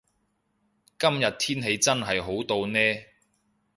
今日天氣真係好到呢